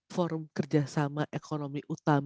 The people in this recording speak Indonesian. forum kerjasama ekonomi